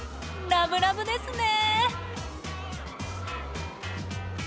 ラブラブですね。